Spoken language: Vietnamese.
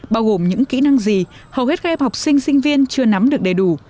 bao gồm những kỹ năng gì hầu hết các em học sinh sinh viên chưa nắm được đầy đủ